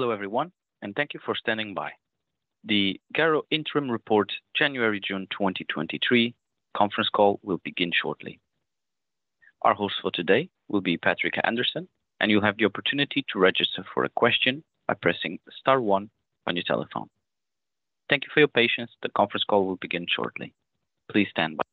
Hello, everyone, and thank you for standing by. The GARO Interim Report, January, June 2023 conference call will begin shortly. Our host for today will be Patrik Andersson, and you'll have the opportunity to register for a question by pressing star one on your telephone. Thank you for your patience. The conference call will begin shortly. Please stand by.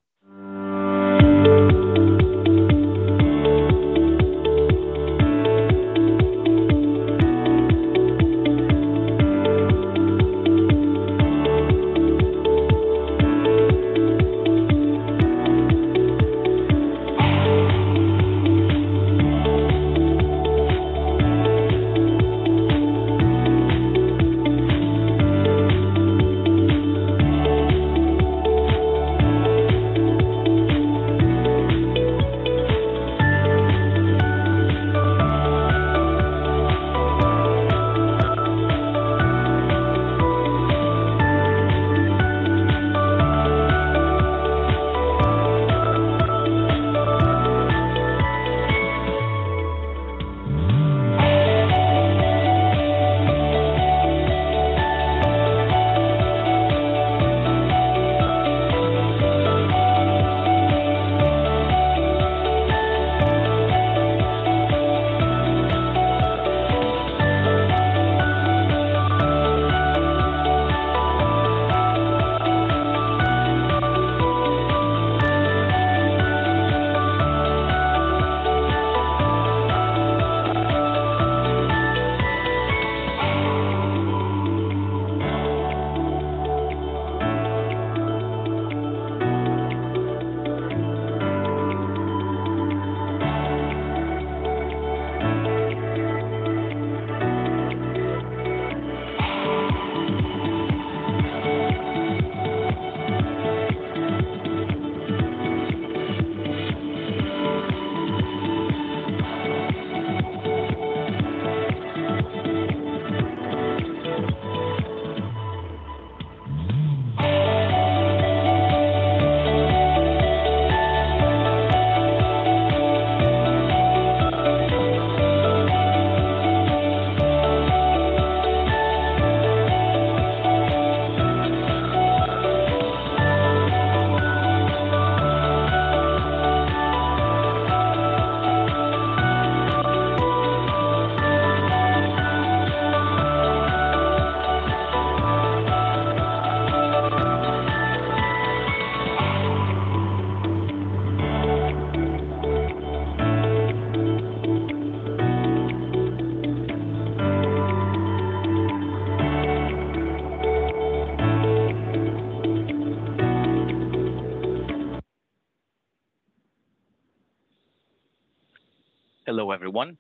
Hello, everyone,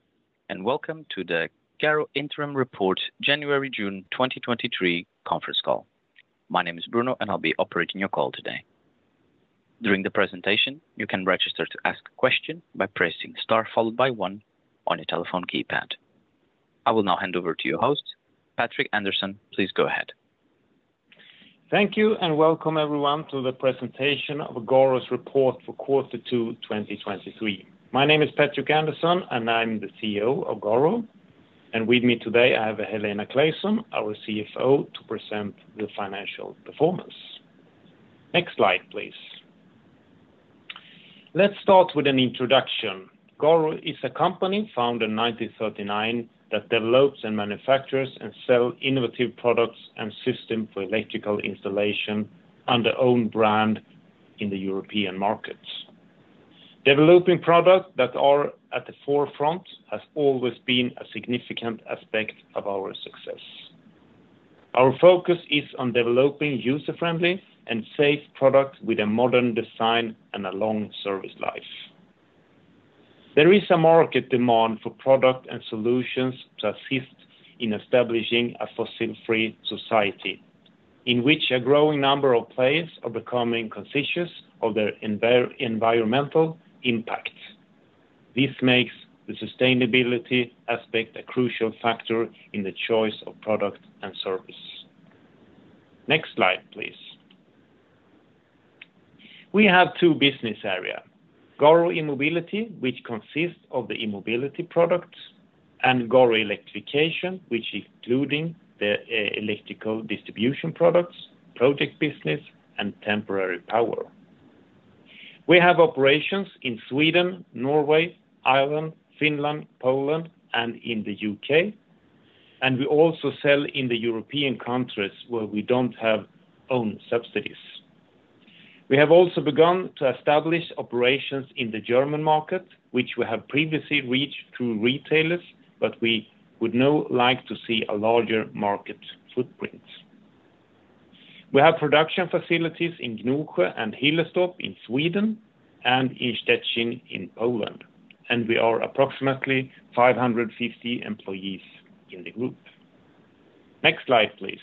and welcome to the GARO Interim Report, January, June 2023 conference call. My name is Bruno, and I'll be operating your call today. During the presentation, you can register to ask a question by pressing star followed by one on your telephone keypad. I will now hand over to your host, Patrik Andersson. Please go ahead. Thank you, welcome everyone to the presentation of GARO's report for Q2 2023. My name is Patrik Andersson, and I'm the CEO of GARO. With me today, I have Helena Claesson, our CFO, to present the financial performance. Next slide, please. Let's start with an introduction. GARO is a company founded in 1939 that develops and manufactures and sell innovative products and system for electrical installation under own brand in the European markets. Developing products that are at the forefront has always been a significant aspect of our success. Our focus is on developing user-friendly and safe products with a modern design and a long service life. There is a market demand for product and solutions to assist in establishing a fossil-free society, in which a growing number of players are becoming conscious of their environmental impact. This makes the sustainability aspect a crucial factor in the choice of products and services. Next slide, please. We have two business area, GARO E-mobility, which consists of the mobility products, and GARO Electrification, which including the electrical distribution products, project business, and temporary power. We have operations in Sweden, Norway, Ireland, Finland, Poland, and in the UK, and we also sell in the European countries where we don't have own subsidies. We have also begun to establish operations in the German market, which we have previously reached through retailers, but we would now like to see a larger market footprint. We have production facilities in Gnosjö and Hillerstorp in Sweden and in Szczecin in Poland, and we are approximately 550 employees in the group. Next slide, please.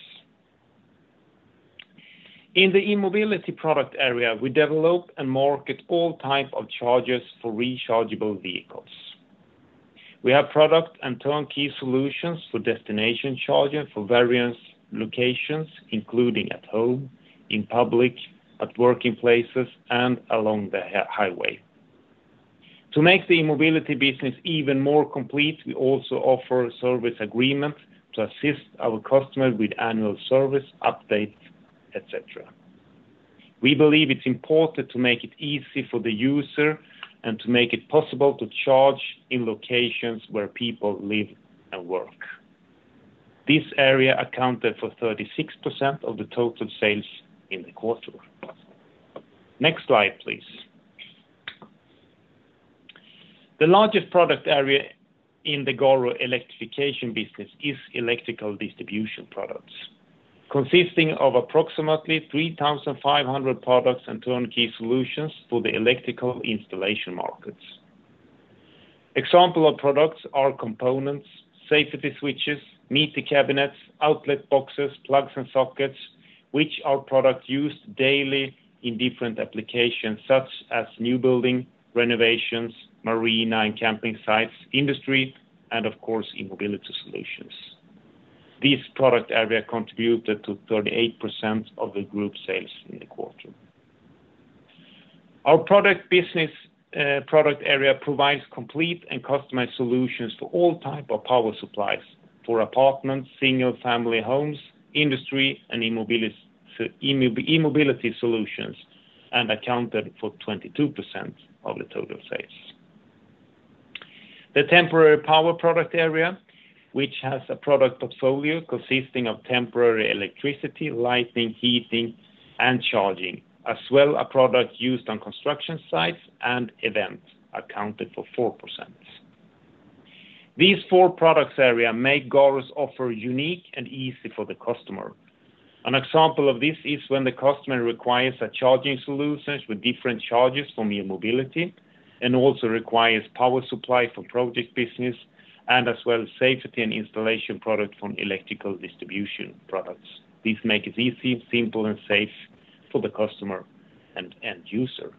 In the e-mobility product area, we develop and market all types of chargers for rechargeable vehicles. We have product and turnkey solutions for destination charging for various locations, including at home, in public, at working places, and along the hi- highway. To make the e-mobility business even more complete, we also offer a service agreement to assist our customers with annual service, updates, et cetera. We believe it's important to make it easy for the user and to make it possible to charge in locations where people live and work. This area accounted for 36% of the total sales in the quarter. Next slide, please. The largest product area in the Garo Electrification business is electrical distribution products, consisting of approximately 3,500 products and turnkey solutions for the electrical installation markets. Example of products are components, safety switches, meter cabinets, outlet boxes, plugs, and sockets, which are products used daily in different applications, such as new building, renovations, marine and camping sites, industry, and of course, e-mobility solutions. This product area contributed to 38% of the group sales in the quarter. Our product business, product area provides complete and customized solutions to all type of power supplies for apartments, single-family homes, industry, and e-mobility solutions, and accounted for 22% of the total sales. The temporary power product area, which has a product portfolio consisting of temporary electricity, lighting, heating, and charging, as well a product used on construction sites and events, accounted for 4%. These four products area make Garo's offer unique and easy for the customer. An example of this is when the customer requires a charging solution with different charges from e-mobility, also requires power supply for project business, and as well, safety and installation product from electrical distribution products. This make it easy, simple, and safe for the customer and end user.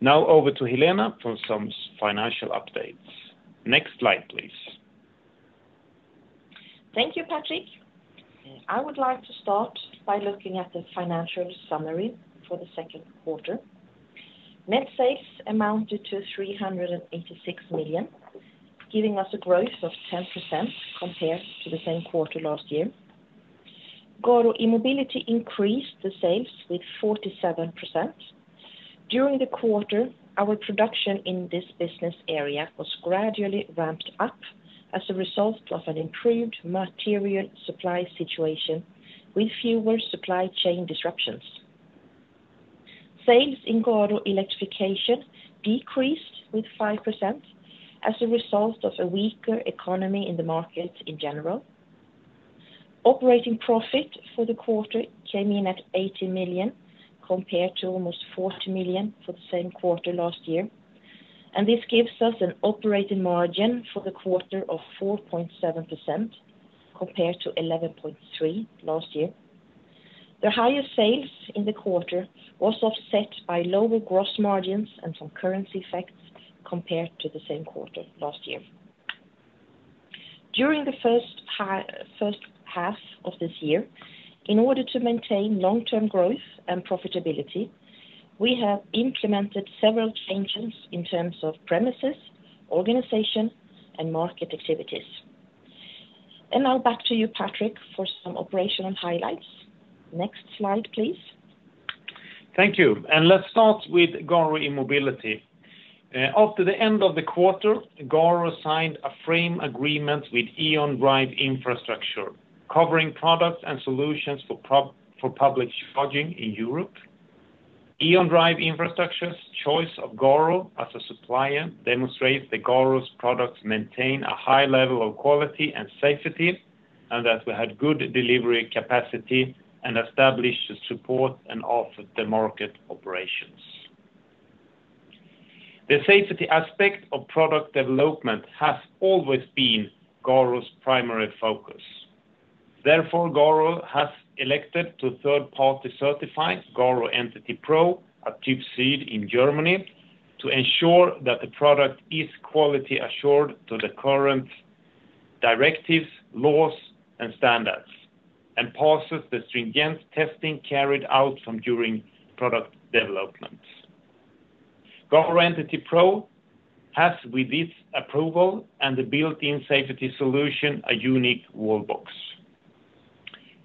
Now over to Helena for some financial updates. Next slide, please. Thank you, Patrik. I would like to start by looking at the financial summary for the Q2. Net sales amounted to 386 million, giving us a growth of 10% compared to the same quarter last year. GARO E-mobility increased the sales with 47%. During the quarter, our production in this business area was gradually ramped up as a result of an improved material supply situation with fewer supply chain disruptions. Sales in Garo Electrification decreased with 5% as a result of a weaker economy in the market in general. Operating profit for the quarter came in at 80 million, compared to almost 40 million for the same quarter last year. This gives us an operating margin for the quarter of 4.7%, compared to 11.3% last year. The higher sales in the quarter was offset by lower gross margins and some currency effects compared to the same quarter last year. During the first half of this year, in order to maintain long-term growth and profitability, we have implemented several changes in terms of premises, organization, and market activities. Now back to you, Patrik, for some operational highlights. Next slide, please. Thank you, and let's start with GARO E-mobility. After the end of the quarter, Garo signed a frame agreement with E.ON Drive Infrastructure, covering products and solutions for public charging in Europe. E.ON Drive Infrastructure's choice of Garo as a supplier demonstrates that Garo's products maintain a high level of quality and safety, and that we had good delivery capacity, and established the support and off-the-market operations. The safety aspect of product development has always been Garo's primary focus. Therefore, Garo has elected to third-party certify GARO Entity Pro, a TÜV SÜD in Germany, to ensure that the product is quality assured to the current directives, laws, and standards, and passes the stringent testing carried out from during product development. GARO Entity Pro has, with this approval and the built-in safety solution, a unique wall box.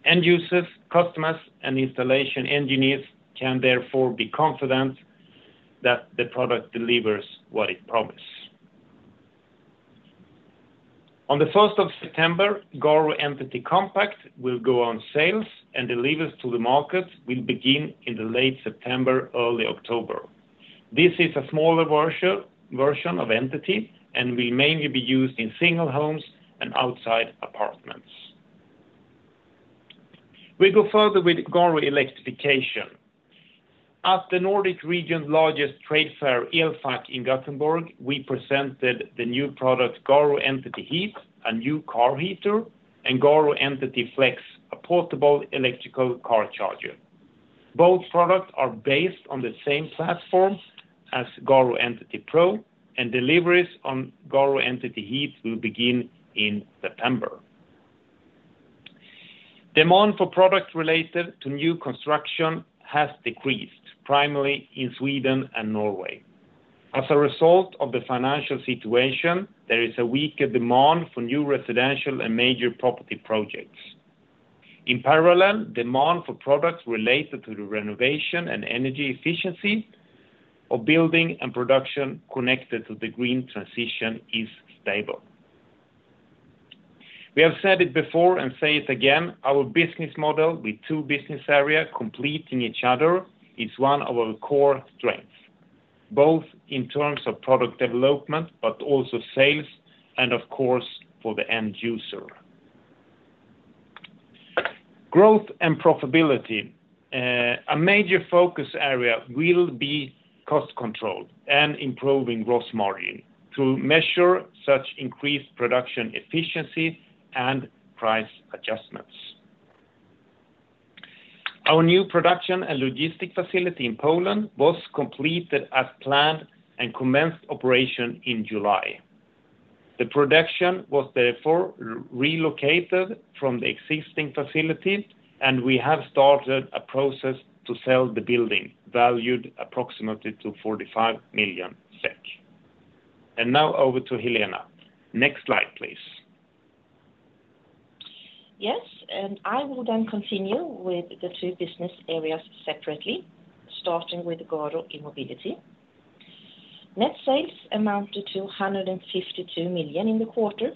End users, customers, and installation engineers can therefore be confident that the product delivers what it promises. On the first of September, GARO Entity Compact will go on sale, and deliveries to the market will begin in late September, early October. This is a smaller version of GARO Entity and will mainly be used in single homes and outside apartments. We go further with Garo Electrification. At the Nordic region's largest trade fair, Elfack, in Gothenburg, we presented the new product, GARO Entity Heat, a new car heater, and GARO Entity Flex, a portable electrical car charger. Both products are based on the same platform as GARO Entity Pro, deliveries on GARO Entity Heat will begin in September. Demand for products related to new construction has decreased, primarily in Sweden and Norway. As a result of the financial situation, there is a weaker demand for new residential and major property projects. In parallel, demand for products related to the renovation and energy efficiency of building and production connected to the green transition is stable. We have said it before and say it again, our business model, with two business areas completing each other, is one of our core strengths, both in terms of product development, but also sales, and of course, for the end user. Growth and profitability, a major focus area will be cost control and improving gross margin to measure such increased production efficiency and price adjustments. Our new production and logistic facility in Poland was completed as planned and commenced operation in July. The production was therefore relocated from the existing facilities, and we have started a process to sell the building, valued approximately to 45 million SEK. Now over to Helena. Next slide, please. Yes, I will continue with the two business areas separately, starting with GARO E-mobility. Net sales amounted to 152 million in the quarter,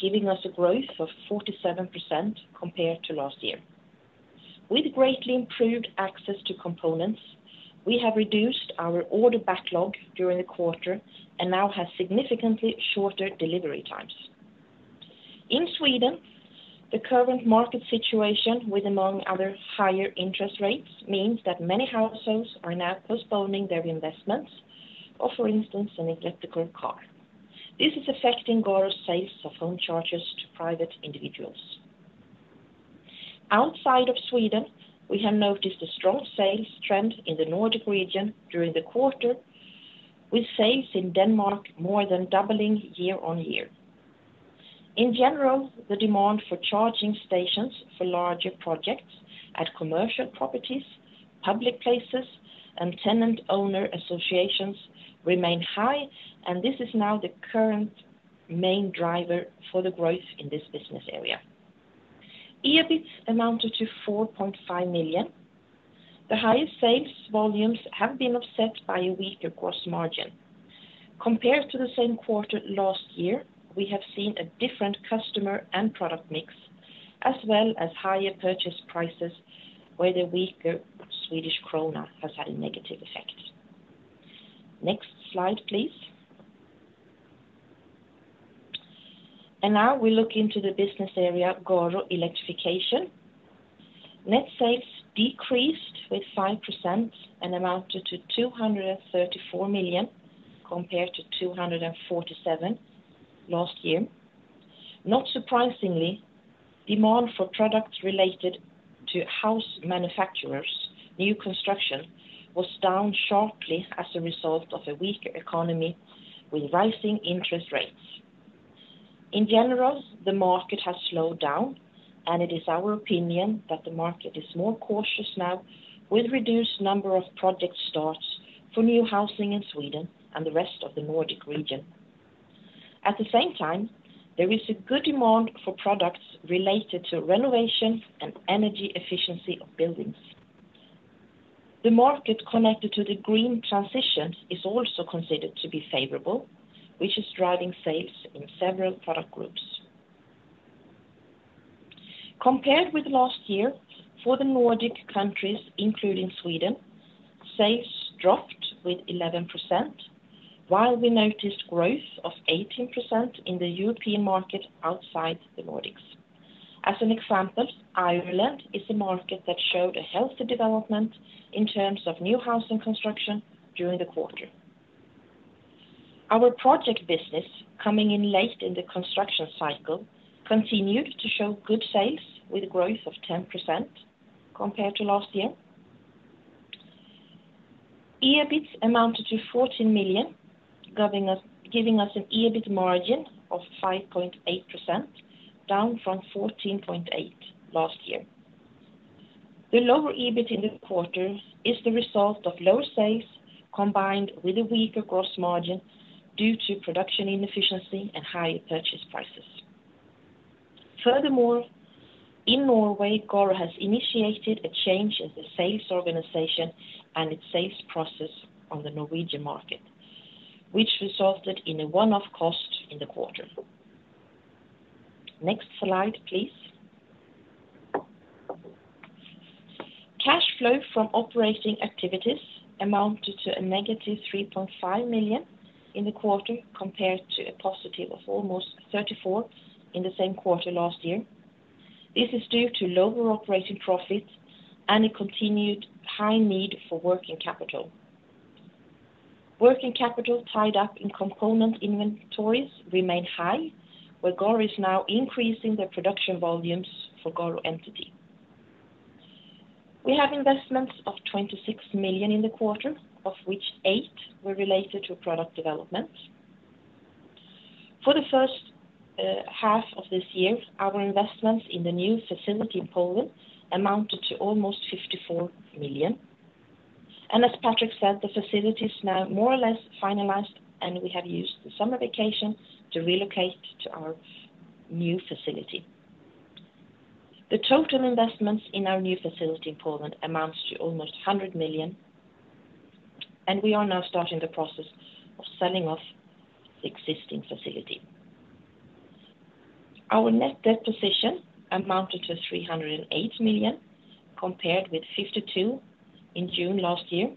giving us a growth of 47% compared to last year. With greatly improved access to components, we have reduced our order backlog during the quarter, now have significantly shorter delivery times. In Sweden, the current market situation, with among other higher interest rates, means that many households are now postponing their investments of, for instance, an electric car. This is affecting GARO sales of home chargers to private individuals. Outside of Sweden, we have noticed a strong sales trend in the Nordic region during the quarter, with sales in Denmark more than doubling year-over-year. In general, the demand for charging stations for larger projects at commercial properties, public places, and tenant owner associations remain high, and this is now the current main driver for the growth in this business area. EBIT amounted to 4.5 million. The highest sales volumes have been offset by a weaker gross margin. Compared to the same quarter last year, we have seen a different customer and product mix, as well as higher purchase prices, where the weaker Swedish krona has had a negative effect. Next slide, please. Now we look into the business area, Garo Electrification. Net sales decreased with 5% and amounted to 234 million, compared to 247 million last year. Not surprisingly, demand for products related to house manufacturers, new construction, was down sharply as a result of a weaker economy with rising interest rates. In general, the market has slowed down, and it is our opinion that the market is more cautious now, with reduced number of project starts for new housing in Sweden and the rest of the Nordic region. At the same time, there is a good demand for products related to renovation and energy efficiency of buildings. The market connected to the green transition is also considered to be favorable, which is driving sales in several product groups. Compared with last year, for the Nordic countries, including Sweden, sales dropped with 11%, while we noticed growth of 18% in the European market outside the Nordics. As an example, Ireland is a market that showed a healthy development in terms of new housing construction during the quarter. Our project business, coming in late in the construction cycle, continued to show good sales, with growth of 10% compared to last year. EBIT amounted to 14 million, giving us an EBIT margin of 5.8%, down from 14.8% last year. The lower EBIT in the quarter is the result of lower sales, combined with a weaker gross margin due to production inefficiency and higher purchase prices. Furthermore, in Norway, GARO has initiated a change in the sales organization and its sales process on the Norwegian market, which resulted in a one-off cost in the quarter. Next slide, please. Cash flow from operating activities amounted to a negative 3.5 million in the quarter, compared to a positive of almost 34 million in the same quarter last year. This is due to lower operating profits and a continued high need for working capital. Working capital tied up in component inventories remained high, where GARO is now increasing their production volumes for GARO Entity. We have investments of 26 million in the quarter, of which 8 million were related to product development. For the first half of this year, our investments in the new facility in Poland amounted to almost 54 million. As Patrik said, the facility is now more or less finalized, and we have used the summer vacation to relocate to our new facility. The total investments in our new facility in Poland amounts to almost 100 million, and we are now starting the process of selling off the existing facility. Our net debt position amounted to 308 million, compared with 52 million in June last year,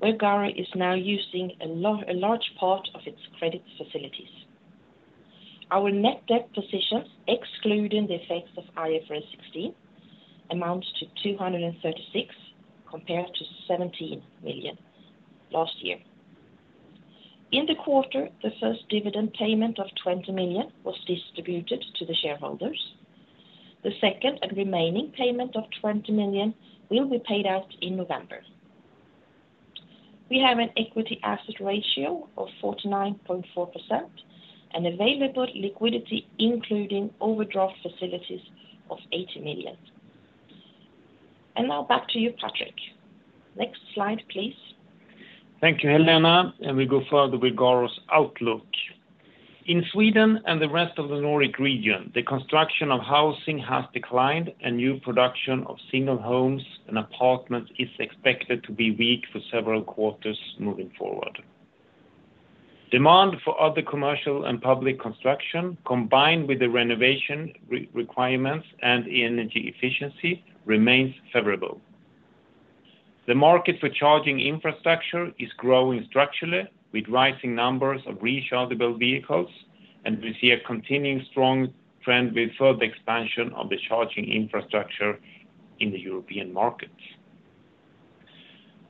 where GARO is now using a large part of its credit facilities. Our net debt position, excluding the effects of IFRS 16, amounts to 236, compared to 17 million last year. In the quarter, the first dividend payment of 20 million was distributed to the shareholders. The second and remaining payment of 20 million will be paid out in November. We have an equity asset ratio of 49.4% and available liquidity, including overdraft facilities of 80 million. Now back to you, Patrik. Next slide, please. Thank you, Helena. We go further with GARO's outlook. In Sweden and the rest of the Nordic region, the construction of housing has declined. New production of single homes and apartments is expected to be weak for several quarters moving forward. Demand for other commercial and public construction, combined with the renovation re- requirements and energy efficiency, remains favorable. The market for charging infrastructure is growing structurally, with rising numbers of rechargeable vehicles. We see a continuing strong trend with further expansion of the charging infrastructure in the European markets.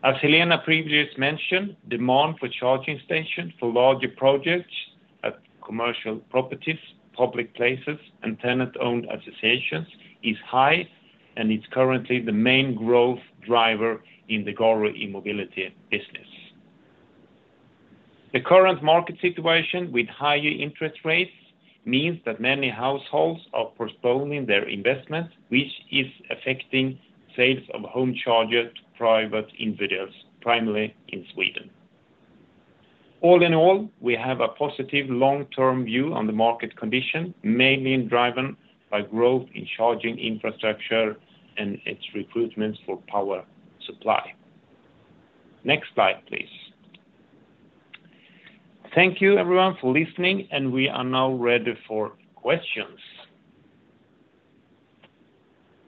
As Helena previously mentioned, demand for charging stations for larger projects at commercial properties, public places, and tenant-owned associations is high and is currently the main growth driver in the GARO E-mobility business. The current market situation with higher interest rates means that many households are postponing their investment, which is affecting sales of home chargers to private individuals, primarily in Sweden. All in all, we have a positive long-term view on the market condition, mainly driven by growth in charging infrastructure and its recruitment for power supply. Next slide, please. Thank you, everyone, for listening. We are now ready for questions.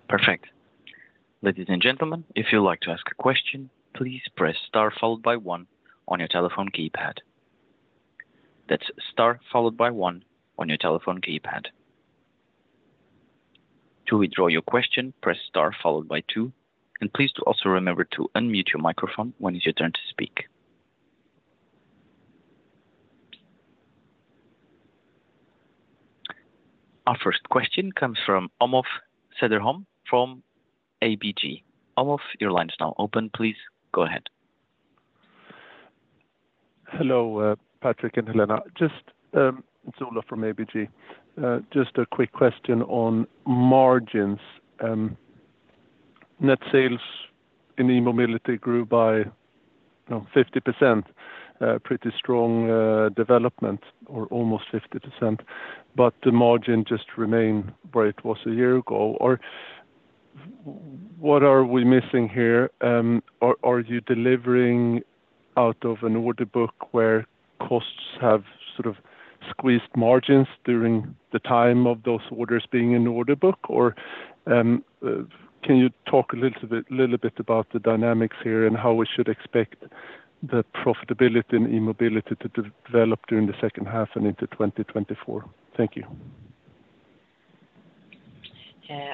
Perfect. Ladies and gentlemen, if you'd like to ask a question, please press star followed by one on your telephone keypad. That's star followed by one on your telephone keypad. To withdraw your question, press star followed by two, and please to also remember to unmute your microphone when it's your turn to speak. Our first question comes from Olof Cederholm from ABG. Olof, your line is now open. Please, go ahead. Hello, Patrik and Helena. Just, it's Olof from ABG. Just a quick question on margins. Net sales in e-mobility grew by, you know, 50%, pretty strong development, or almost 50%, but the margin just remained where it was a year ago. What are we missing here? Are you delivering out of an order book where costs have sort of squeezed margins during the time of those orders being in the order book? Can you talk a little bit, little bit about the dynamics here and how we should expect the profitability in e-mobility to develop during the second half and into 2024? Thank you.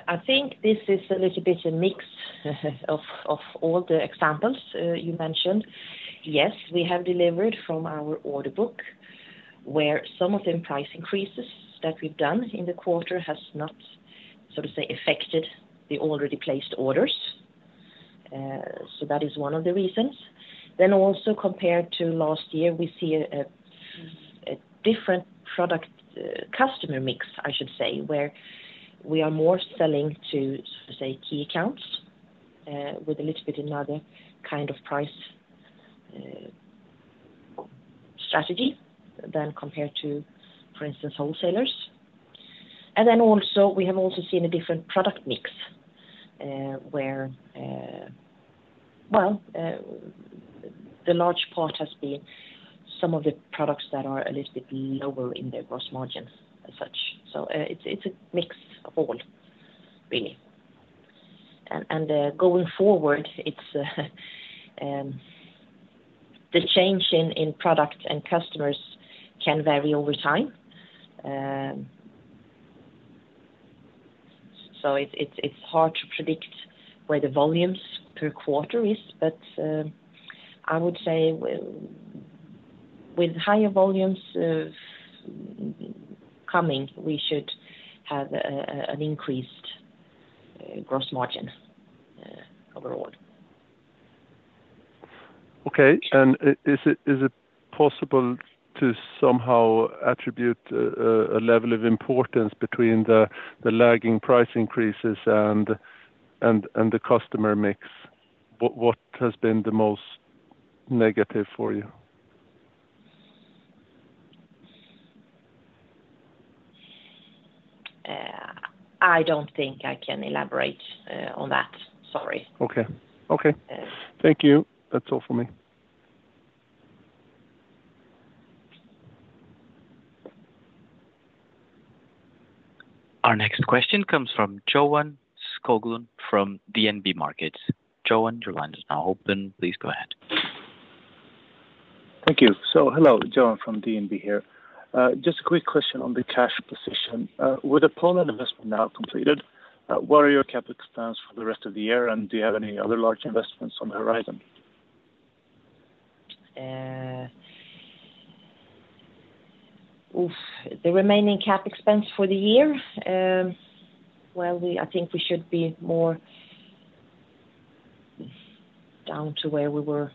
I think this is a little bit a mix of, of all the examples you mentioned. Yes, we have delivered from our order book, where some of the price increases that we've done in the quarter has not, so to say, affected the already placed orders. That is one of the reasons. Compared to last year, we see a different product, customer mix, I should say, where we are more selling to, say, key accounts, with a little bit another kind of price strategy than compared to, for instance, wholesalers. We have also seen a different product mix, where the large part has been some of the products that are a little bit lower in their gross margins as such. It's, it's a mix of all, really. Going forward, it's the change in, in products and customers can vary over time. It's hard to predict where the volumes per quarter is, but I would say with higher volumes coming, we should have an increased gross margin overall. Okay. Is it possible to somehow attribute a level of importance between the lagging price increases and the customer mix? What has been the most negative for you? I don't think I can elaborate on that. Sorry. Okay. Okay. Yes. Thank you. That's all for me. Our next question comes from Johan Skoglund from DNB Markets. Johan, your line is now open. Please go ahead. Thank you. Hello, Johan from DNB here. Just a quick question on the cash position. With the Poland investment now completed, what are your CapEx plans for the rest of the year, and do you have any other large investments on the horizon? Oof! The remaining CapEx expense for the year? Well, I think we should be more down to where we were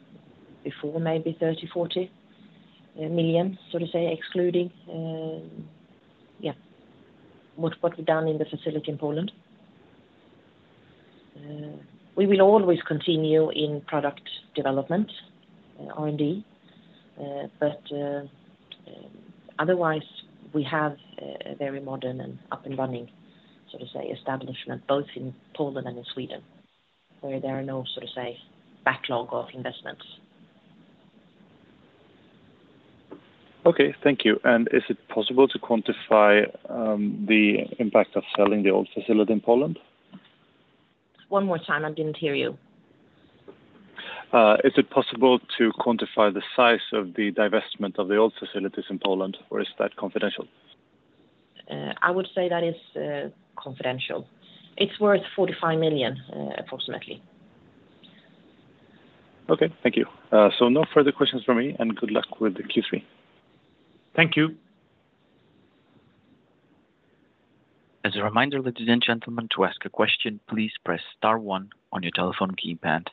before, maybe 30 million-40 million, so to say, excluding, yeah, what, what we've done in the facility in Poland. We will always continue in product development, R&D, but otherwise, we have a, a very modern and up-and-running, so to say, establishment, both in Poland and in Sweden, where there are no, so to say, backlog of investments. Okay, thank you. Is it possible to quantify the impact of selling the old facility in Poland? One more time, I didn't hear you. Is it possible to quantify the size of the divestment of the old facilities in Poland, or is that confidential? I would say that is confidential. It's worth 45 million, approximately. Okay, thank you. No further questions from me, and good luck with the Q3. Thank you. As a reminder, ladies and gentlemen, to ask a question, please press star one on your telephone keypad.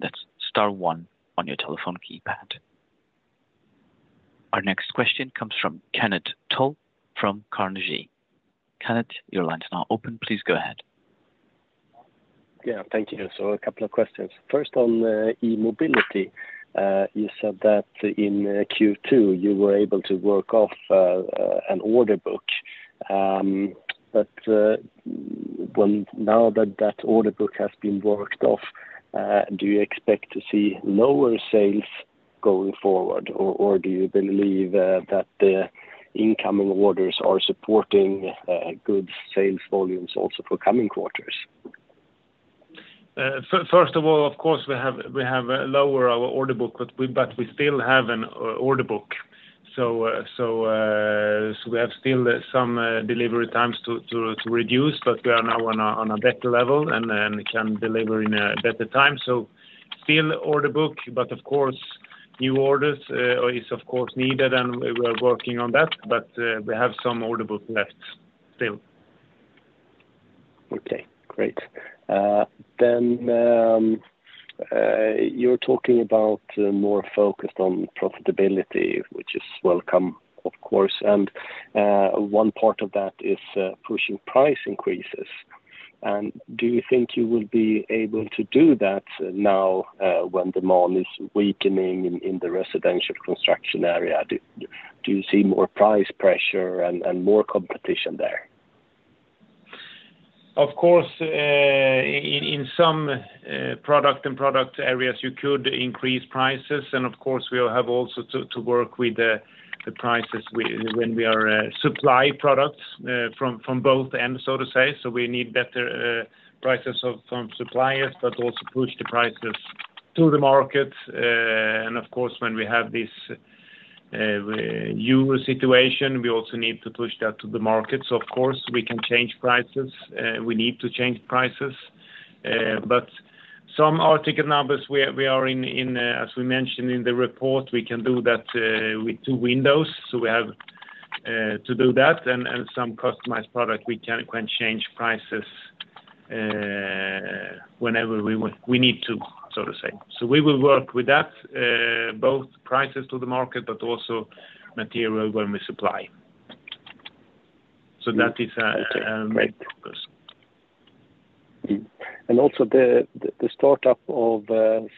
That's star one on your telephone keypad. Our next question comes from Kenneth Toll from Carnegie. Kenneth, your line is now open, please go ahead. Yeah, thank you. a couple of questions. First, on the e-mobility, you said that in Q2, you were able to work off an order book. Now that that order book has been worked off, do you expect to see lower sales going forward, or, or do you believe that the incoming orders are supporting good sales volumes also for coming quarters? first of all, of course, we have, we have, lower our order book, but we, but we still have an order book. So, so we have still some delivery times to reduce, but we are now on a better level and can deliver in a better time. Still order book, but of course, new orders, is, of course, needed, and we are working on that, but, we have some order book left still. Okay, great. You're talking about more focused on profitability, which is welcome, of course. One part of that is pushing price increases. Do you think you will be able to do that now, when demand is weakening in, in the residential construction area? Do you see more price pressure and more competition there? Of course, in some product and product areas, you could increase prices. Of course, we'll have also to, to work with the, the prices when we are supply products from, from both ends, so to say. We need better prices of, from suppliers, but also push the prices to the market. Of course, when we have this euro situation, we also need to push that to the markets. Of course, we can change prices, we need to change prices, but some article numbers we are, we are in, in, as we mentioned in the report, we can do that with two windows. We have to do that, and, and some customized product, we can, can change prices whenever we want, we need to, so to say. We will work with that, both prices to the market, but also material when we supply. That is our focus. Okay. Great. Also the, the, the startup of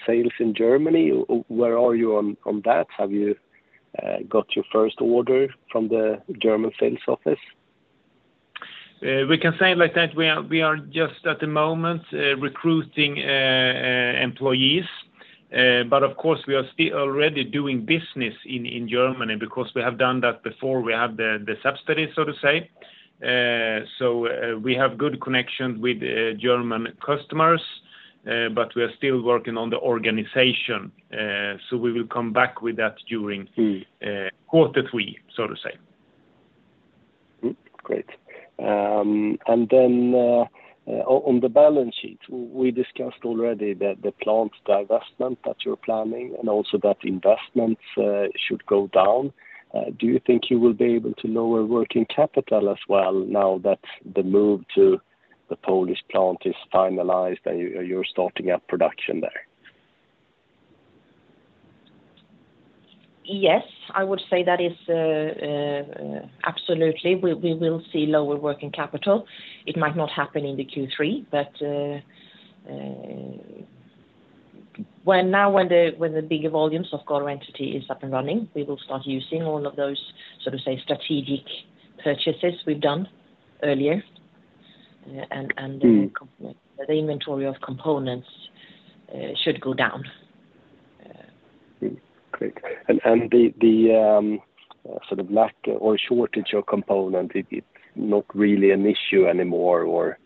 sales in Germany, where are you on that? Have you got your first order from the German sales office? We can say it like that. We are, we are just at the moment, recruiting, employees. Of course, we are still already doing business in, in Germany because we have done that before we had the, the subsidy, so to say. We have good connections with the German customers, but we are still working on the organization. We will come back with that during- Mm Q3, so to say. Mm, great. On the balance sheet, we discussed already the, the plant divestment that you're planning and also that investments should go down. Do you think you will be able to lower working capital as well now that the move to the Polish plant is finalized and you, you're starting up production there? Yes, I would say that is. Absolutely, we, we will see lower working capital. It might not happen in the Q3, but when now, when the, when the bigger volumes of GARO Entity is up and running, we will start using all of those, so to say, strategic purchases we've done earlier. Mm. The inventory of components, should go down. Mm, great. And the, the, sort of lack or shortage of component, it, it's not really an issue anymore, or?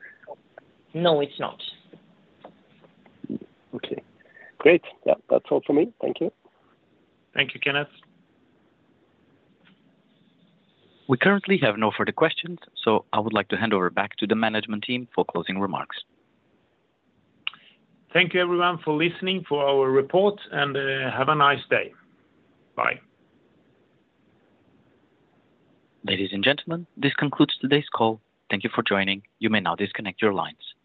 No, it's not. Okay, great. Yeah, that's all for me. Thank you. Thank you, Kenneth. We currently have no further questions, I would like to hand over back to the management team for closing remarks. Thank you, everyone, for listening for our report. Have a nice day. Bye. Ladies and gentlemen, this concludes today's call. Thank you for joining. You may now disconnect your lines.